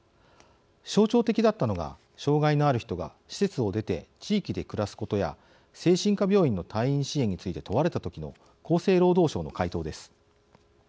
象徴的だったのが障害のある人が施設を出て地域で暮らすことや精神科病院の退院支援について問われた時の厚生労働省の回答です。